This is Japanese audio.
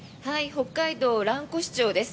北海道蘭越町です。